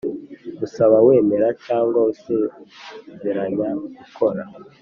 usaba wemera cyangwa usezeranya gukora